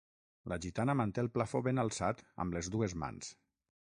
La gitana manté el plafó ben alçat amb les dues mans.